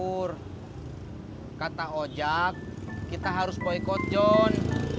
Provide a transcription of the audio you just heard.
kur kata ojak kita harus boykot john